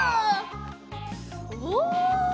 お！